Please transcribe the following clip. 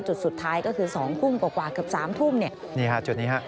จุดสุดท้ายก็คือ๒ทุ่มกว่าเกือบ๓ทุ่มนี่ค่ะจุดนี้ค่ะ